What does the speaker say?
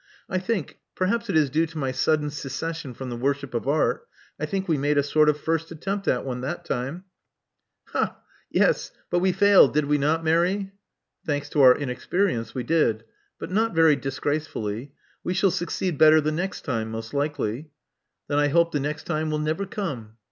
I think — perhaps it is due to my sudden secession from the worship of Art — I think we made a sort of first attempt at one that time," 114 Love Among the Artists '*Ha! ha! Yes. But we failed, did we not, Mary?" Thanks to our inexperience, we did. But not very disgracefully. We shall succeed better the next time, most likely/* *'Then I hope the next time will never come."